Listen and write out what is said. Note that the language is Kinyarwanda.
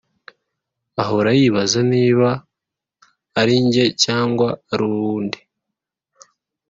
ahora yibaza niba arinjye cyangwa aruwundi